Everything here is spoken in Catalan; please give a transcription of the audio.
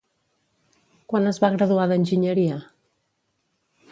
Quan es va graduar d'Enginyeria?